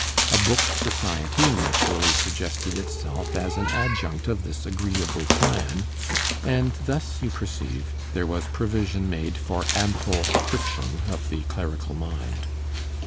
A Book Society naturally suggested itself as an adjunct of this agreeable plan; and thus, you perceive, there was provision made for ample friction of the clerical mind.